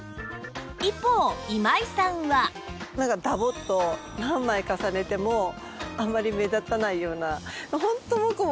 一方今井さんはなんかダボッと何枚重ねてもあんまり目立たないような。